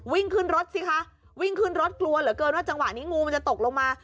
วิ่งขึ้นรถสิคะวิ่งขึ้นรถกลัวเหลือเกินว่าจังหวะนี้งูมันจะตกลงมา